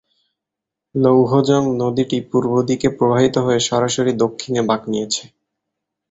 লৌহজং নদীটি পূর্ব দিকে প্রবাহিত হয়ে সরাসরি দক্ষিণে বাঁক নিয়েছে।